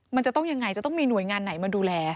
มันจะต้องยังไงจะต้องมีหน่วยงานไหนมาดูแล